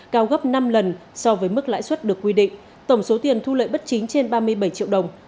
cao gấp năm lần so với mức lãi suất được quy định tổng số tiền thu lợi bất chính trên ba mươi bảy triệu đồng